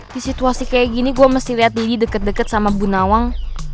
di situasi kayak gini gue mesti lihat didi deket deket sama bu nawang